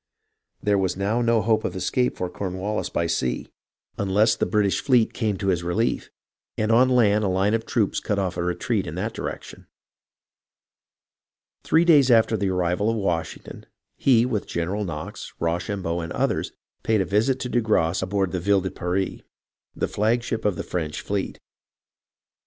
There was now no hope of escape for Cornwallis by sea unless the British 377 378 HISTORY OF THE AMERICAN REVOLUTION fleet came to his relief, and on land a line of troops cut off a retreat in that direction. Three days after the arrival of Washington, he, with General Knox, Rochambeau, and others, paid a visit to de Grasse on board the Ville de Paris, the flagship of the French fleet.